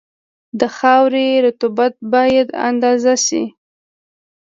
د خاورې رطوبت باید اندازه شي